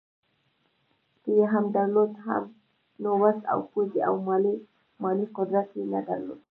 که یې درلود هم نو وس او پوځي او مالي قدرت یې نه درلود.